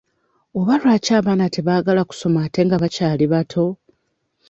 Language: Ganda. Oba lwaki abaana tebaagala kusoma ate nga bakyali bato?